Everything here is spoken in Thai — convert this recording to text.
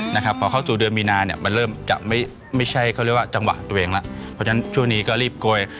ในอาทิตย์นี้นะครับก็จะมีลักษณะเขาเรียกว่าเล่นชิวตามไปด้วย